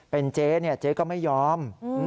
เป็นเจ๊เจ๊ก็ไม่ยอม